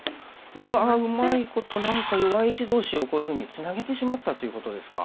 うわうまいこと何か弱い石同士をこういうふうにツナげてしまったということですか？